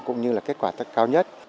cũng như là kết quả cao nhất